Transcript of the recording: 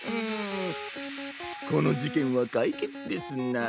このじけんはかいけつですな。